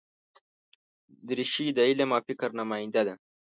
دریشي د علم او فکر نماینده ده.